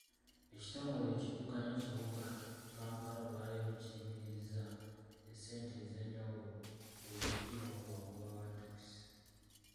Ekitongole ekiddukanya ekibuga Kampala olwaleero kiyimirizza essente ez'enjawulo eziggibwa ku bagoba ba takisi.